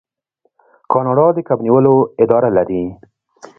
کاناډا د کب نیولو اداره لري.